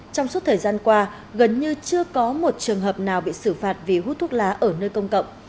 trong suốt thời gian qua gần như chưa có một trường hợp nào bị xử phạt vì hút thuốc lá ở nơi công cộng